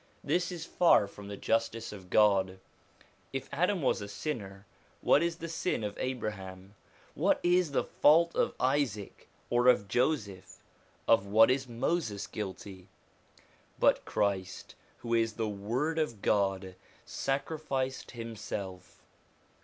This is far from the justice of God. If Adam was a sinner, what is the sin of Abraham ? What is the fault of Isaac, or of Joseph ? Of what is Moses guilty ? But Christ, who is the Word of God, sacrificed him self.